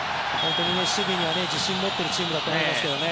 守備に自信を持っているチームだと思いますけどね。